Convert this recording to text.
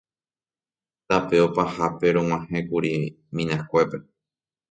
Tape opahápe rog̃uahẽkuri Minaskuépe.